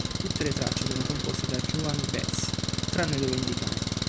Tutte le tracce sono composte da Joan Baez, tranne dove indicato.